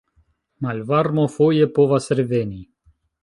Malvarmo foje povas reveni.